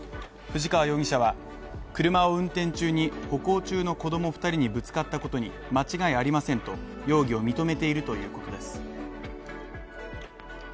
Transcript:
藤川容疑者は、車を運転中に歩行中の子供２人にぶつかったことに間違いありませんと容疑を認めているということです。